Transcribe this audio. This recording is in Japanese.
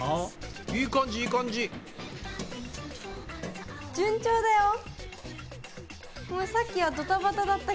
いい感じいい感じ。ね。